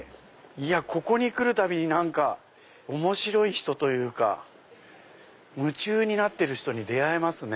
ここに来るたびに面白い人というか夢中になってる人に出会えますね。